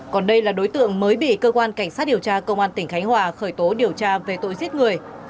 còn đây là đối tượng mới bị cơ quan cảnh sát điều tra công an tỉnh khánh hòa khởi tố điều tra về tội giết người